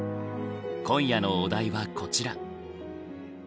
今夜のお題はこちら。